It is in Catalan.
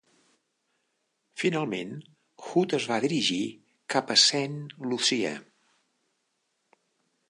Finalment, Hood es va dirigir cap a Saint Lucia.